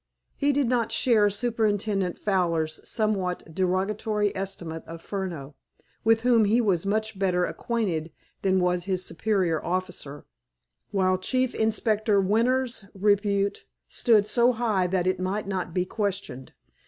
He did not share Superintendent Fowler's somewhat derogatory estimate of Furneaux, with whom he was much better acquainted than was his superior officer, while Chief Inspector Winter's repute stood so high that it might not be questioned.